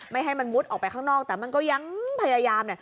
ให้มันมุดออกไปข้างนอกแต่มันก็ยังพยายามเนี่ย